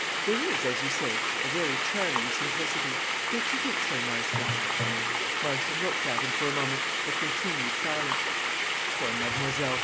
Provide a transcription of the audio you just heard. "There is, as you say, a very charming simplicity. Don't you think so, Marston?" Marston looked at him for a moment, but continued silent. "Poor mademoiselle!